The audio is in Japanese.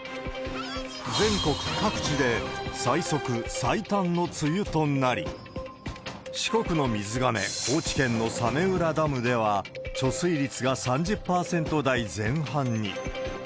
全国各地で最速、最短の梅雨となり、四国の水がめ、高知県の早明浦ダムでは、貯水率が３０％台前半に。